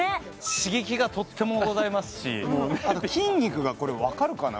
刺激がとってもございますし筋肉がこれわかるかな？